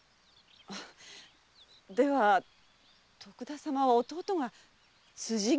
では徳田様は弟が辻斬りだと？